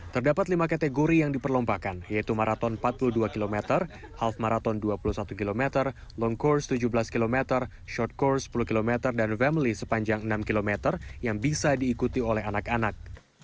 terdapat lima kategori yang diperlombakan yaitu maraton empat puluh dua km half marathon dua puluh satu km long course tujuh belas km shortcore sepuluh km dan family sepanjang enam km yang bisa diikuti oleh anak anak